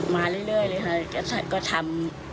มาเรื่อยเลยค่ะก็ทำ